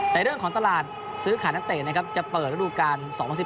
ในเรื่องของตลาดซื้อขายนักเตะนะครับจะเปิดฤดูการ๒๐๑๘